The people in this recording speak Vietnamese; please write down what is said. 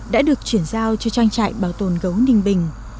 đã được chuyển giao cho trang trại bảo tồn gấu ninh bình